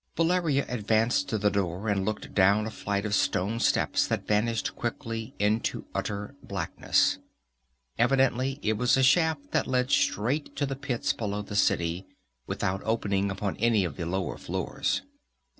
Valeria advanced to the door and looked down a flight of stone steps that vanished quickly into utter blackness. Evidently it was a shaft that led straight to the pits below the city, without opening upon any of the lower floors.